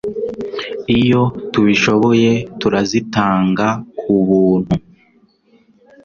iyo tubishoboye turazitanga ku buntu